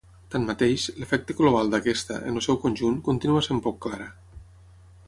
Tanmateix, l'efecte global d'aquesta, en el seu conjunt, continua sent poc clara.